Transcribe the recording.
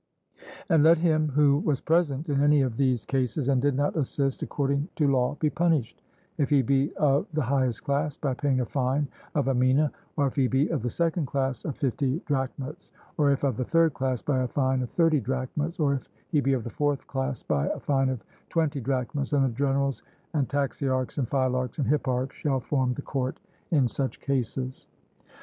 And let him who was present in any of these cases and did not assist according to law be punished, if he be of the highest class, by paying a fine of a mina; or if he be of the second class, of fifty drachmas; or if of the third class, by a fine of thirty drachmas; or if he be of the fourth class, by a fine of twenty drachmas; and the generals and taxiarchs and phylarchs and hipparchs shall form the court in such cases.